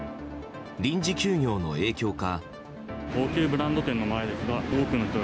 臨時休業の影響か。